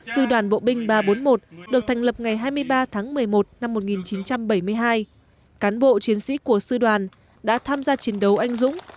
sư đoàn bộ binh ba trăm bốn mươi một được thành lập ngày hai mươi ba tháng một mươi một năm một nghìn chín trăm bảy mươi hai cán bộ chiến sĩ của sư đoàn đã tham gia chiến đấu anh dũng